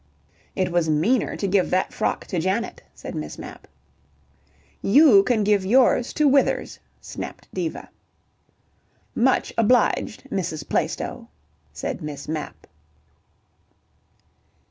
"It was meaner to give that frock to Janet," said Miss Mapp. "You can give yours to Withers," snapped Diva. "Much obliged, Mrs. Plaistow," said Miss Mapp.